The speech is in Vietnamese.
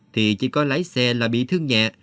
thì chỉ có lái xe là bị thương nhẹ